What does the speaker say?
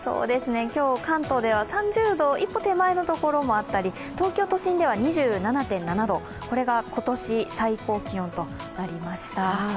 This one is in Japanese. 今日、関東では３０度一歩手前のところもあったり、東京都心では２７．７度これが今年最高気温となりました。